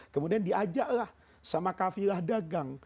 kemudian diajaklah sama kafilah dagang